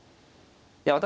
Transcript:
いや私